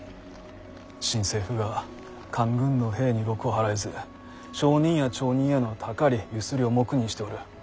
新政府が官軍の兵に禄を払えず商人や町人へのたかりゆすりを黙認しておる。